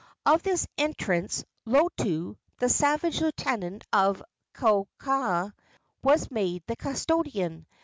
Of this entrance Lotu, the savage lieutenant of Kokoa, was made the custodian.